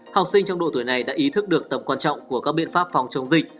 học sinh trong độ tuổi này đã ý thức được tầm quan trọng của các biện pháp phòng chống dịch